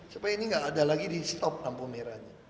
supaya ini nggak ada lagi di stop lampu merahnya